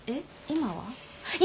今は？